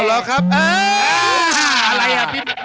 เวลาดีเล่นหน่อยเล่นหน่อย